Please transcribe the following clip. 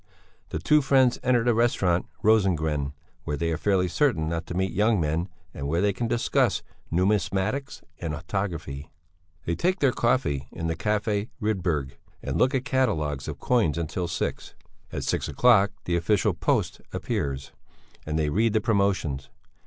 The two friends enter the Restaurant Rosengren, where they are fairly certain not to meet young men and where they can discuss numismatics and autography. They take their coffee in the Café Rydberg and look at catalogues of coins until six. At six o'clock the official Post appears, and they read the promotions.